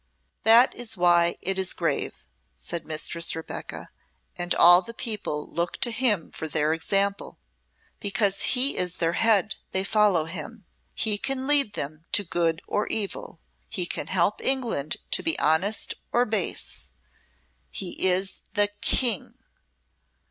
"That is why it is grave," said Mistress Rebecca. "All the people look to him for their example. Because he is their head they follow him. He can lead them to good or evil. He can help England to be honest or base. He is the KING."